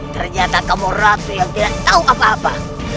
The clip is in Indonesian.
ternyata kamu ratu yang tidak tahu apa apa